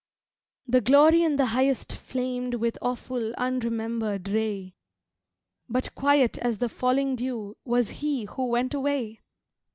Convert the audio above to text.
The Glory in the Highest flamed With awful, unremembered ray But quiet as the falling dew Was He who went away.